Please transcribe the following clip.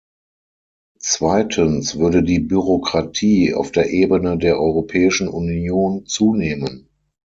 Zweitens würde die Bürokratie auf der Ebene der Europäischen Union zunehmen.